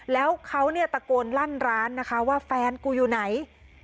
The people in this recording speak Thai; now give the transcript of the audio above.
แล้วเขาก็ตะโกนรั่นร้านว่าแฟนกูอยู่ไหน